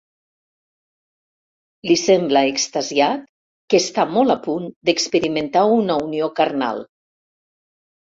Li sembla, extasiat, que està molt a punt d'experimentar una unió carnal.